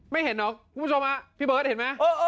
ไม่เห็นหรอผมไม่ชอบอ่ะพี่เบิร์ชเห็นมั้ย